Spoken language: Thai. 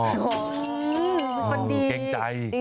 ขึ้นเป็นดี